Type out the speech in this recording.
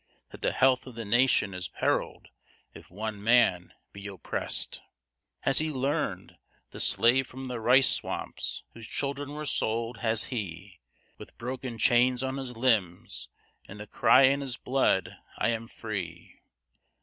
That the health of the nation is perilled if one man be oppressed? Has he learned the slave from the rice swamps, whose children were sold has he, With broken chains on his limbs, and the cry in his blood, "I am free!"